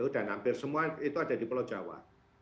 dan hampir semua itu ada di pulau jawa